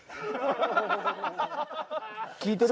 聞いてる？